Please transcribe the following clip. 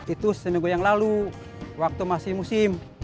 itu seminggu yang lalu waktu masih musim